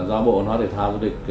do bộ ngoại truyền thao